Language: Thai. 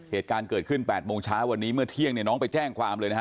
เหตุการณ์เกิดขึ้น๘โมงช้าวันนี้เมื่อเที่ยงไปแจ้งความเลยนะครับ